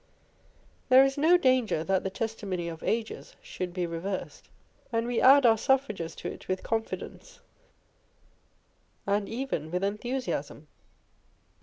There is no danger that the testimony of ages should be reversed, and we add our suffrages to it with confidence, and even with enthusiasm.